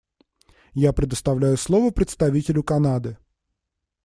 Я предоставляю слово представителю Канады.